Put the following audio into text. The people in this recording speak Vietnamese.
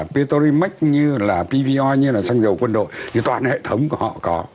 quy mắc như là pvo như là xăng dầu quân đội thì toàn hệ thống của họ có